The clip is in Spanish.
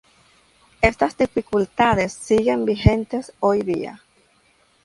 Estas dificultades siguen vigentes hoy día.